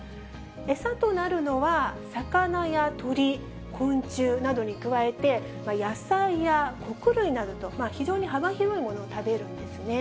餌となるのは魚や鳥、昆虫などに加えて、野菜や穀類などと、非常に幅広いものを食べるんですね。